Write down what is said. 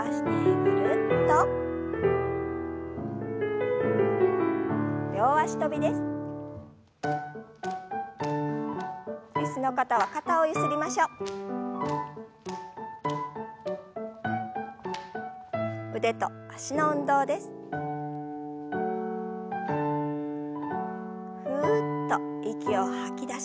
ふっと息を吐き出しながら。